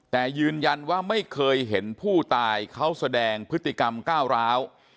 แต่ยืนยันว่าไม่เคยเห็นผู้ตายเขาแสดงพฤติกรรมก้าวร้าว